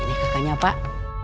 ini kakaknya pak